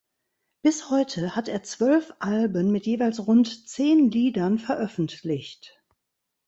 Bis heute hat er zwölf Alben mit jeweils rund zehn Liedern veröffentlicht.